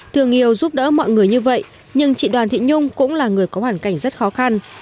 thương yêu giúp đỡ mọi người như vậy nhưng chị đoàn thị nhung cũng là người có hoàn cảnh rất khó khăn